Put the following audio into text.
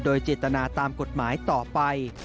โดยเจตนาตามกฎหมายต่อไป